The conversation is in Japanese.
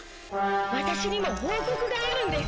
「ワタシにも報告があるんです」